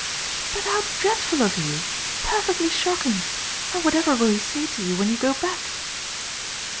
"But how dreadful of you! Perfectly shocking! And whatever will he say to you when you go back?"